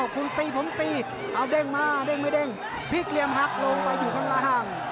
คุณตีผมตีเอาเด้งมาเด้งไม่เด้งพลิกเหลี่ยมหักลงไปอยู่ข้างล่าง